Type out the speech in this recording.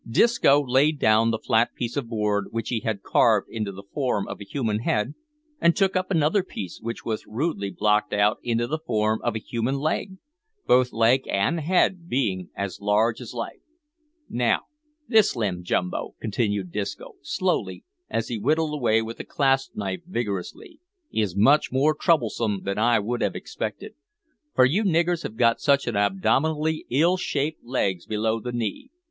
Disco laid down the flat piece of board which he had carved into the form of a human head, and took up another piece, which was rudely blocked out into the form of a human leg both leg and head being as large as life. "Now this limb, Jumbo," continued Disco, slowly, as he whittled away with the clasp knife vigorously, "is much more troublesome than I would have expected; for you niggers have got such abominably ill shaped legs below the knee.